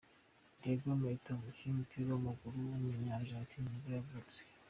Diego Milito, umukinnyi w’umupira w’amaguru w’umunya-Argentine nibwo yavutse.